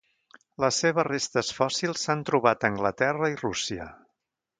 Les seves restes fòssils s'han trobat a Anglaterra i Rússia.